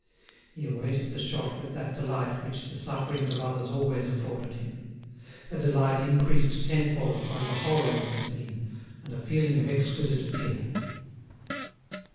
He awaited the shot with that delight which the sufferings of others always afforded him—a delight increased tenfold by the horror of the scene, and a feeling of exquisite fear.